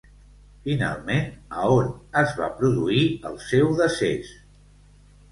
Finalment, a on es va produir el seu decés?